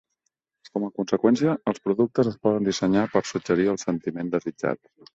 Com a conseqüència, els productes es poden dissenyar per suggerir el sentiment desitjat.